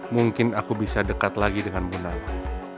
mungkin aku bisa dekat lagi dengan bu nawang